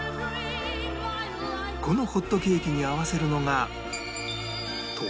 このホットケーキに合わせるのが